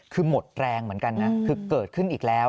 คือหมดแรงเหมือนกันนะคือเกิดขึ้นอีกแล้ว